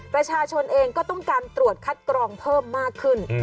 ประชาชนเองก็ต้องการตรวจคัดกรองเพิ่มมากขึ้น